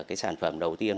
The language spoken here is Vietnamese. cái sản phẩm đầu tiên